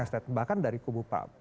sudah tidak ada